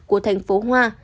của thành phố hoa